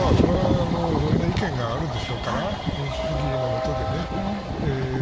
いろんな意見があるでしょうから民主主義のもとでね。